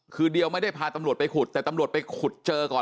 คือเดียวไม่ได้พาตำรวจไปขุดแต่ตำรวจไปขุดเจอก่อน